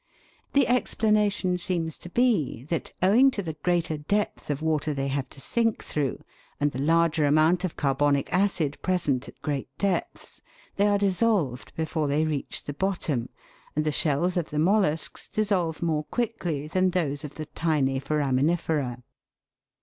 The explanation seems to be that, owing to the greater depth of water they have to sink through, and the larger amount of carbonic acid present at great depths, they are dissolved before they reach the bottom, and the shells of the mollusks dissolve more quickly than those of the tiny foraminifera.